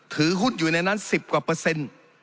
ฮุดอยู่ในนั้น๑๐กว่าเปอร์เซ็นต์